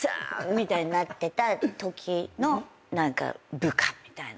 みたいになってたときの部下みたいな感じ。